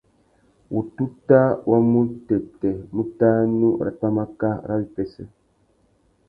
Wututa wa mutêtê mutānú râ pwámáká râ wipêssê.